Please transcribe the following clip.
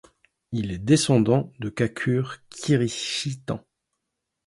Il est descendant de kakure kirishitan.